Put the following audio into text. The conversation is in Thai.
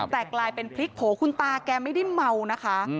แต่กลายเป็นพลิกโผล่คุณตาแกไม่ได้เมานะคะ